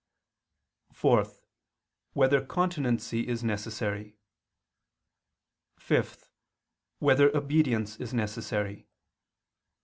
(4) Whether continency is necessary? (5) Whether obedience is necessary?